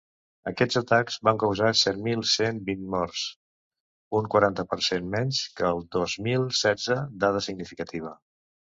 Aquests atacs van causar set mil cent vint morts, un quaranta per cent menys que el dos mil setze, dada significativa.